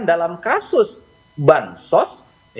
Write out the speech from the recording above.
dalam kasus bansos